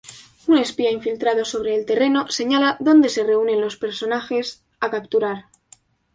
Un espía infiltrado sobre el terreno señala donde se reúnen los personajes a capturar.